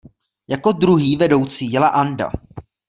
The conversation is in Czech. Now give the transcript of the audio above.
Jako druhý vedoucí jela Anda.